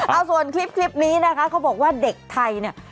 เอาส่วนคลิปนี้นะคะเขาบอกว่าเด็กไทยเนี่ย